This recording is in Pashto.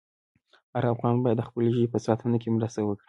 هر افغان باید د خپلې ژبې په ساتنه کې مرسته وکړي.